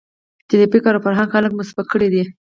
چې د فکر او فرهنګ خلک مو سپک کړي دي.